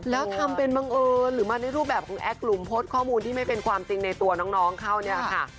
แล้วทำเป็นบังเอิญหรือมาในรูปแบบของแอคหลุมโพสต์ข้อมูลที่ไม่เป็นความจริงในตัวน้องเข้าเนี่ยค่ะ